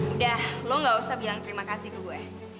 udah lo gak usah bilang terima kasih ke gue